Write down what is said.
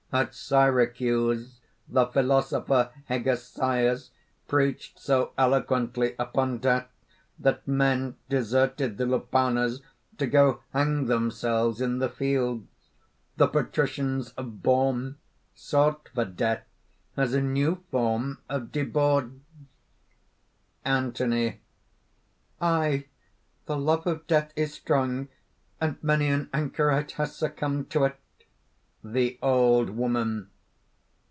At Syracuse the philosopher Hegesias preached so eloquently upon death that men deserted the lupanars to go hang themselves in the fields. The patricians of Borne sought for death as a new form of debauch." ANTHONY. "Aye! the love of death is strong; and many a anchorite has succumbed to it." THE OLD WOMAN.